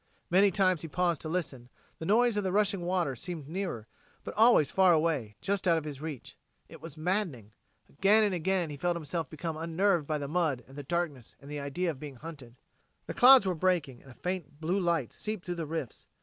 Many times he paused to listen; the noise of the rushing water seemed nearer, but always far away, just out of his reach. It was maddening. Again and again he felt himself becoming unnerved by the mud and the darkness and the idea of being hunted. The clouds were breaking, and a faint blue light seeped through the rifts.